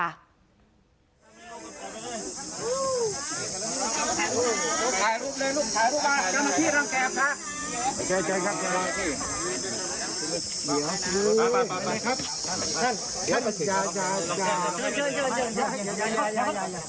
ฮู้รูปรูปรูปเลยรูปอยากมาที่ข้า